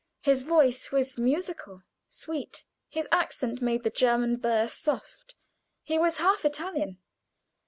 His voice was musical, sweet. His accent made the German burr soft; he was half Italian.